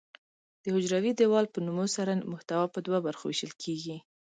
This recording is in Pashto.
د حجروي دیوال په نمو سره محتوا په دوه برخو ویشل کیږي.